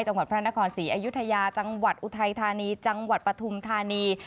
จังหวัดพระนครศรีอยุธยาจังหวัดอุทัยธานีจังหวัดปฐุมธานี